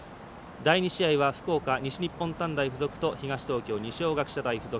第２試合は福岡西日本短大付属と東東京、二松学舎大付属。